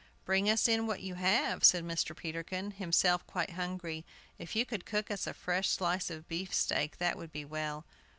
"Bring us in what you have," said Mr. Peterkin, himself quite hungry. "If you could cook us a fresh slice of beefsteak that would be well."